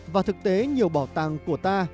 và thực tế nhiều bảo tàng của ta